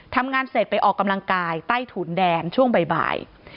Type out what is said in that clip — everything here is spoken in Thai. ทำงานเสร็จไปออกกำลังกายใต้ถุนแดนช่วงบ่าย